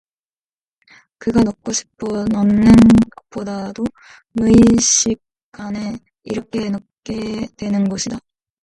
그가 넣고 싶어 넣는 것보다도 무의식간에 이렇게 넣게 되는 것이다.